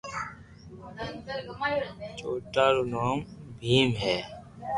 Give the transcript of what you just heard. چوٿا رو نوم ڀيم ھي